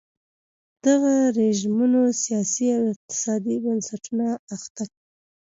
دغو رژیمونو سیاسي او اقتصادي بنسټونه اخته کړل.